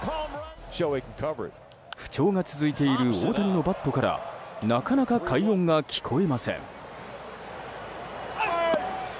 不調が続いている大谷のバットからなかなか快音が聞こえません。